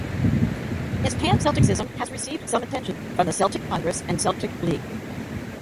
His pan-Celticism has received some attention from the Celtic Congress and Celtic League.